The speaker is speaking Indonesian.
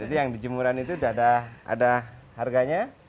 jadi yang di jemuran itu ada harganya